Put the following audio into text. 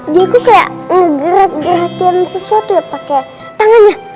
dia itu kayak ngerat geratin sesuatu ya pake tangannya